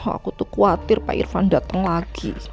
aku tuh khawatir pak irvan datang lagi